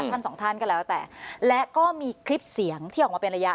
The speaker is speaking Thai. สองท่านก็แล้วแต่และก็มีคลิปเสียงที่ออกมาเป็นระยะ